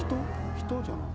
人じゃない。